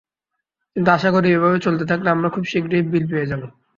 কিন্তু আশা করি, এভাবে চলতে থাকলে আমরা খুব শিগগিরই বিল পেয়ে যাব।